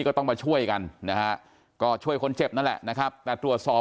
ก็ต้องมาช่วยกันนะฮะก็ช่วยคนเจ็บนั่นแหละนะครับแต่ตรวจสอบ